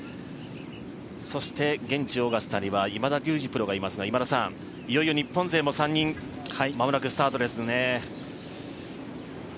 そして現地オーガスタには今田竜二プロがいますがいよいよ日本勢も３人まもなくスタートですね。